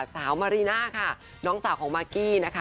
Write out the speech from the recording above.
สาวมารีน่าค่ะน้องสาวของมากกี้นะคะ